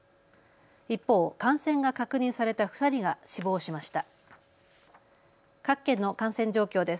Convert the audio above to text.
一方、感染が確認された２人が死亡しました。